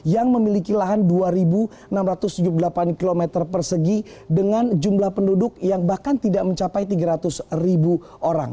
yang memiliki lahan dua enam ratus tujuh puluh delapan km persegi dengan jumlah penduduk yang bahkan tidak mencapai tiga ratus ribu orang